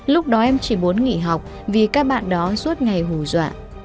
lúc đó em chỉ muốn nghỉ học vì các bạn đó suốt ngày hù dọa